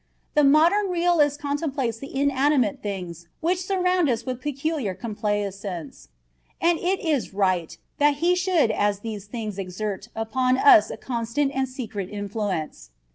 The modern realist contemplates the inanimate things which surround us with peculiar complaisance, and it is right that he should as these things exert upon us a constant and secret influence.